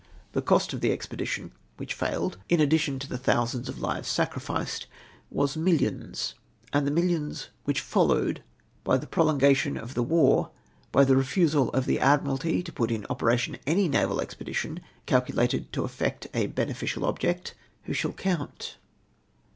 The cost of the expedition, which failed — in addition to the I AM REGARDED AS A ilARKED MAX. 129 tliousuiids of lives sacriliced — was millions ; and the millions which followed by the prolongation of the war, by the refusal of the Admiralty to put in opera tion any naval expedition calculated to effect a bene ficial object — who shall count?